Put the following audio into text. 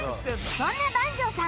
そんな番匠さん